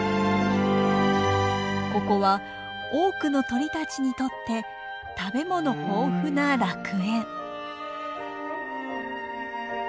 ここは多くの鳥たちにとって食べ物豊富な楽園。